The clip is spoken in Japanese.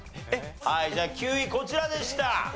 はいじゃあ９位こちらでした。